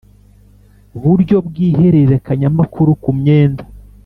Buryo bw ihererekanyamakuru ku myenda